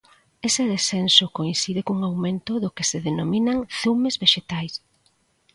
Ese descenso coincide cun aumento do que se denominan 'zumes vexetais'.